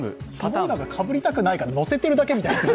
それ、かぶりたくないから乗せてるだけみたいな。